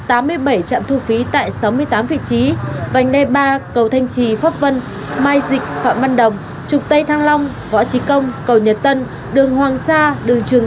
anh thổi anh chưa thổi rồi anh mới đang ngọn